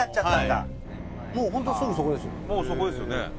もうそこですよね。